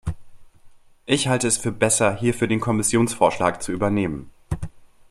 Ich halte es für besser, hierfür den Kommissionsvorschlag zu übernehmen.